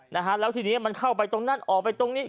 นะฮะแล้วทีนี้มันเข้าไปตรงนั้นออกไปตรงนี้